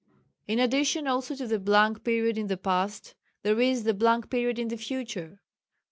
In addition also to the blank period in the past, there is the blank period in the future.